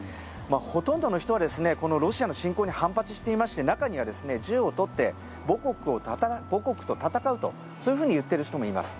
ほとんどの人はロシアの侵攻に反発していまして中には、銃を取って母国と戦うとそういうふうに言っている人もいます。